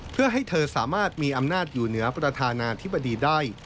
เพื่อให้เธอสามารถมีอำนาจอยู่เหนือประธานาธิบดีได้